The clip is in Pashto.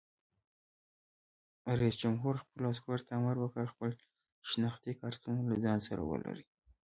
رئیس جمهور خپلو عسکرو ته امر وکړ؛ خپل شناختي کارتونه له ځان سره ولرئ!